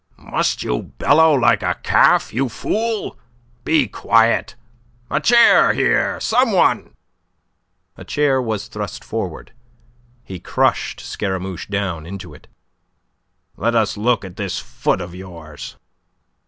"Must you bellow like a calf, you fool? Be quiet. A chair here, some one." A chair was thrust forward. He crushed Scaramouche down into it. "Let us look at this foot of yours."